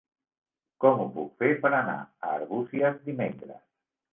Com ho puc fer per anar a Arbúcies dimecres?